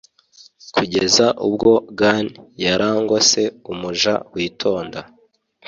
Kugeza ubwo gan yarangose Umuja witonda